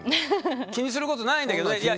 気にすることないんだけどいや